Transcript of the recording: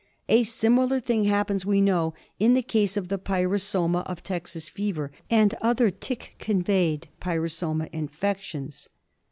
A similar thing happens, we know, in the case of the pyrosoma of Texas Fever and other tick conveyed pyrosoma infections.